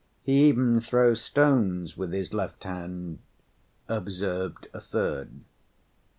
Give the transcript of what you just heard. "He even throws stones with his left hand," observed a third.